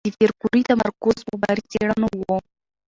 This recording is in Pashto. د پېیر کوري تمرکز په ماري څېړنو و.